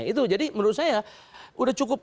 itu jadi menurut saya sudah cukup